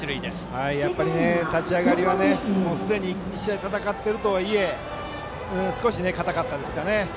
立ち上がりはすでに１試合戦っているとは言えすこし硬かったですね。